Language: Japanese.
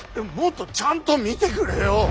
もっとちゃんと見てくれよ。